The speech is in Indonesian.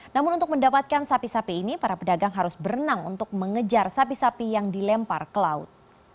namun untuk mendapatkan sapi sapi ini para pedagang harus berenang untuk mengejar sapi sapi yang dilempar ke laut